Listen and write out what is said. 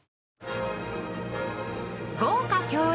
豪華共演！